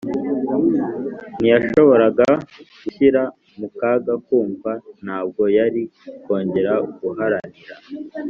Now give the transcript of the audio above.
ntiyashoboraga gushyira mu kaga kumva; ntabwo yari kongera guharanira;